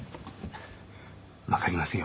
分かりますよ。